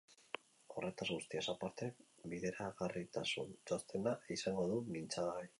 Horretaz guztiaz aparte, bideragarritasun txostena izango du mintzagai.